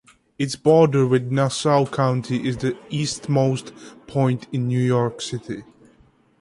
Its border with Nassau County is the easternmost point in New York City.